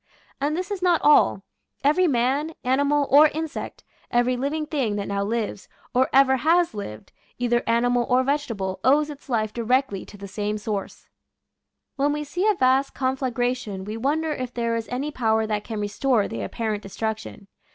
And this is not all ; every man, animal, or insect, every living thing that now lives, or ever has lived, either f^ i . Original from UNIVERSITY OF WISCONSIN Sbe Sun's 'Rags. 163 animal or vegetable, owes its life directly to the same source. When we see a vast conflagration we won der if there is any power that can restore the apparent destruction.